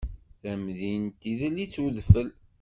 Tamdint idel-itt udfel.